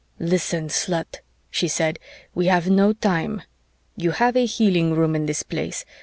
"Listen, slut," she said, "we have no time. You have a healing room in this place.